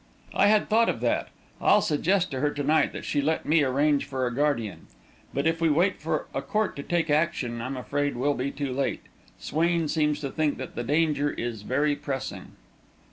"I had thought of that; I'll suggest to her to night that she let me arrange for a guardian. But if we wait for a court to take action, I'm afraid we'll be too late. Swain seems to think that the danger is very pressing."